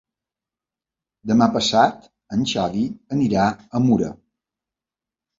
Demà passat en Xavi anirà a Mura.